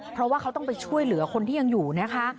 เพราะว่าเขาต้องไปช่วยเหลือคนที่ยังอยู่นะคะ